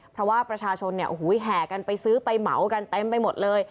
เพราะว่าประชาชนแห่กันไปซื้อไปเหมากันเต็มไปหมดเลย